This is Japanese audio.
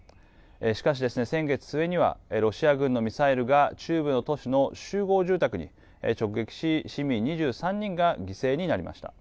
しかし先月末には、ロシア軍のミサイルが中部の都市の集合住宅に直撃し、市民２３人が犠牲になりました。